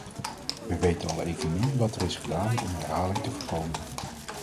We weten al evenmin wat er is gedaan om herhaling te voorkomen.